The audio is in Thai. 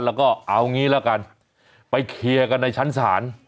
แล้วก็เอางี้ละกันไปเคลียร์กันในชั้นศาล